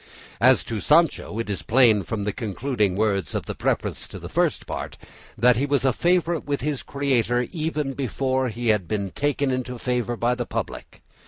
As to Sancho, it is plain, from the concluding words of the preface to the First Part, that he was a favourite with his creator even before he had been taken into favour by the public.